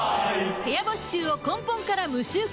部屋干し臭を根本から無臭化